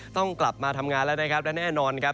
ต้องกลับมาทำงานแล้วนะครับและแน่นอนครับ